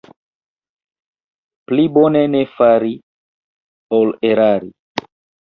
Pli bone ne fari, ol erari.